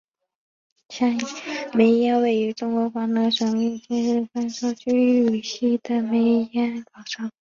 梅庵位于中国广东省肇庆市端州区城西的梅庵岗上。